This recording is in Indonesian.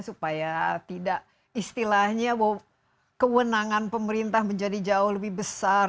supaya tidak istilahnya kewenangan pemerintah menjadi jauh lebih besar